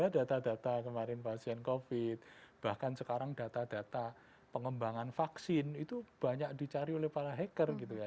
data data kemarin pasien covid bahkan sekarang data data pengembangan vaksin itu banyak dicari oleh para hacker gitu ya